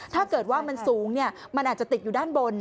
ถ้าเกิดว่ามันสูงมันอาจจะติดอยู่ด้านบน